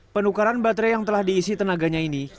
penukaran baterai yang telah diisi tenaganya ini